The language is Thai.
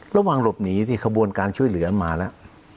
ระหว่างหลบหนีสิขบวนการช่วยเหลือมาแล้ว